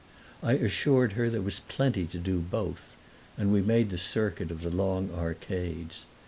I assured her there was plenty to do both, and we made the circuit of the long arcades.